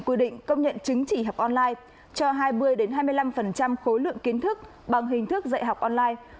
quy định công nhận chứng chỉ học online cho hai mươi hai mươi năm khối lượng kiến thức bằng hình thức dạy học online